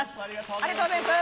ありがとうございます。